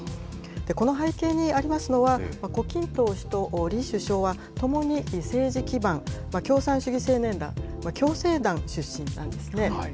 この背景にありますのは、胡錦涛氏と李首相はともに政治基盤、共産主義青年団・共青団出身なんですね。